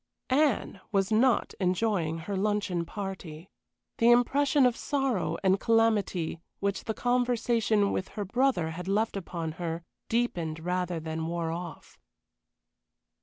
Anne was not enjoying her luncheon party. The impression of sorrow and calamity which the conversation with her brother had left upon her deepened rather than wore off.